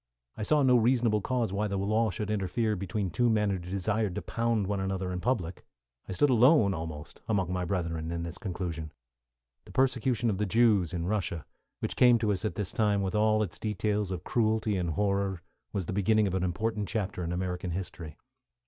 I saw no reasonable cause why the law should interfere between two men who desired to pound one another in public; I stood alone almost among my brethren in this conclusion. The persecution of the Jews in Russia, which came to us at this time with all its details of cruelty and horror, was the beginning of an important chapter in American history.